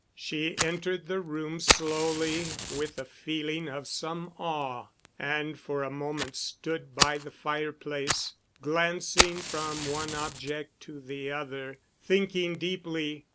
She entered the room slowly, with a feeling of some awe, and for a moment stood by the fireplace, glancing from one object to the other, thinking deeply.